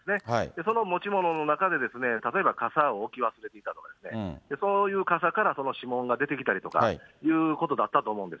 その持ち物の中で、例えば傘を置き忘れていたとか、そういう傘から指紋が出てきたりとかいうことだったと思うんです。